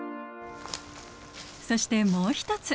そしてもう一つ。